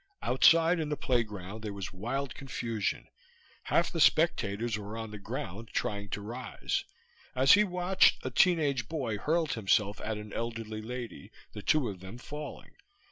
Outside in the playground there was wild confusion. Half the spectators were on the ground, trying to rise. As he watched, a teen age boy hurled himself at an elderly lady, the two of them falling.